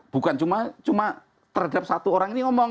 bukan cuma terhadap satu orang ini ngomong